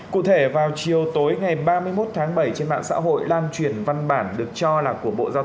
cụ thể vào chiều tối ngày ba mươi một tháng bảy trên mạng xã hội lan truyền văn bản được cho là của bộ giao thông